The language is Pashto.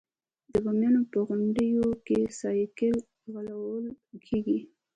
د بامیانو په غونډیو کې سایکل ځغلول کیږي.